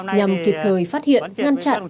nhằm kịp thời phát hiện ngăn chặn